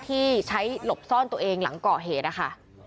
ที่ใช้หลบซ่อนตัวเองหลังก่อเหตุนะคะ